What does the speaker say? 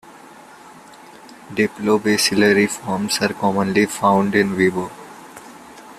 Diplobacillary forms are commonly found "in vivo".